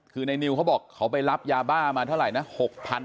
คือในนิวเขาบอกเขาไปรับยาบ้ามาเท่าไหร่นะ